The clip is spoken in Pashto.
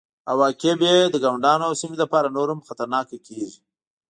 او عواقب یې د ګاونډیانو او سیمې لپاره نور هم خطرناکه کیږي